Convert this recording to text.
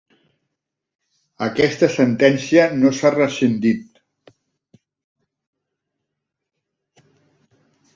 Aquesta sentència no s'ha rescindit.